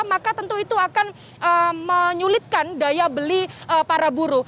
maka tentu itu akan menyulitkan daya beli para buruh